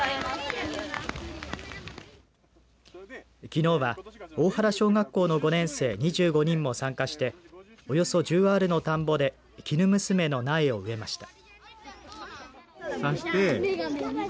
きのうは大原小学校の５年生２５人も参加しておよそ１０アールの田んぼできぬむすめの苗を植えました。